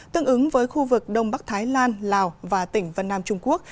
tương ứng với khu vực đông bắc thái lan lào và tỉnh vân nam trung quốc